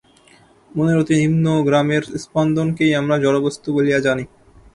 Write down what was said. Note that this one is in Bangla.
মনের অতি নিম্নগ্রামের স্পন্দনকেই আমরা জড়বস্তু বলিয়া জানি।